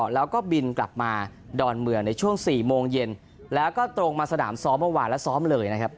แล้วก็บินกลับมาดอนเมืองในช่วง๔โมงเย็นแล้วก็ตรงมาสนามซ้อมเมื่อวานแล้วซ้อมเลยนะครับ